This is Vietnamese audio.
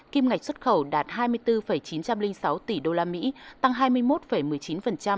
kim ngạch xuất khẩu đạt hai mươi bốn chín trăm linh sáu tỷ đô la mỹ tăng hai mươi năm mươi một tỷ đô la